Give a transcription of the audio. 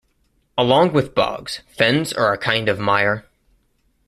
Along with bogs, fens are a kind of mire.